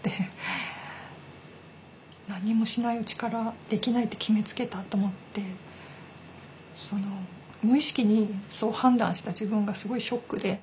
何もしないうちからできないって決めつけたと思って無意識にそう判断した自分がすごいショックで。